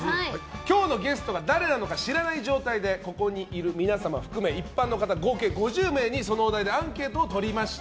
今日のゲストが誰なのか知らない状態でここにいる皆様を含め一般の方、合計５０名にそのお題でアンケートをとりました。